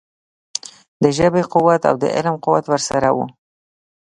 د ژبې قوت او د علم قوت ورسره وو.